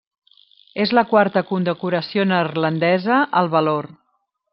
És la quarta condecoració neerlandesa al valor.